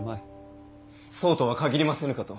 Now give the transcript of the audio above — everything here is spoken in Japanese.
そうとは限りませぬかと。